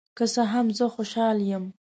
که څه هم، زه خوشحال یم.